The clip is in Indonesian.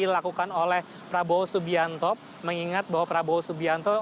dilakukan oleh prabowo subianto mengingat bahwa prabowo subianto